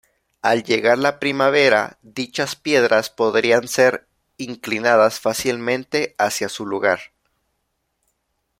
Al llegar la primavera, dichas piedras podrían ser inclinadas fácilmente hacia su lugar.